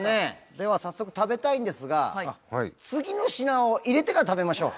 では早速食べたいんですが次の品を入れてから食べましょう。